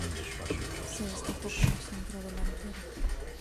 Se destacó como centrodelantero.